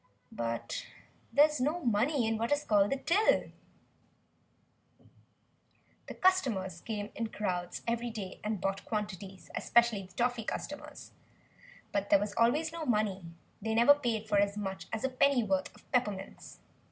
But there is no money in what is called the "till." The customers came in crowds every day and bought quantities, especially the toffee customers. But there was always no money; they never paid for as much as a pennyworth of peppermints.